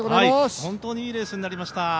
本当にいいレースになりました。